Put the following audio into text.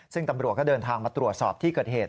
ซึ่งตำรวจก็เดินทางมาตรวจสอบที่เกิดเหตุ